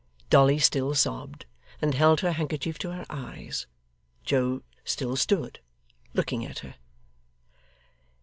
Dolly still sobbed, and held her handkerchief to her eyes. Joe still stood, looking at her.